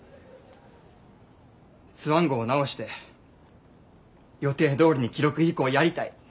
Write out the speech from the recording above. スワン号を直して予定どおりに記録飛行やりたい。